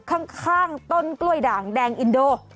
ข้างต้นกล้วยด่างแดงอินโด